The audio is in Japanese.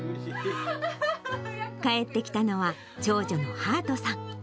帰ってきたのは、長女のはあとさん。